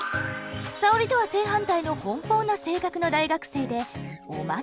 沙織とは正反対の奔放な性格の大学生でおまけに。